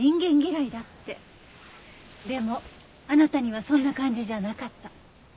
でもあなたにはそんな感じじゃなかった。